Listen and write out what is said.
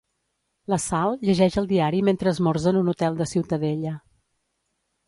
La Sal llegeix el diari mentre esmorza en un hotel de Ciutadella.